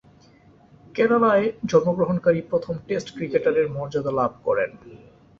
কেরালায় জন্মগ্রহণকারী প্রথম টেস্ট ক্রিকেটারের মর্যাদা লাভ করেন।